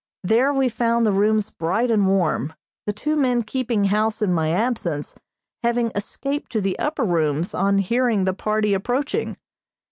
There we found the rooms bright and warm, the two men keeping house in my absence having escaped to the upper rooms on hearing the party approaching.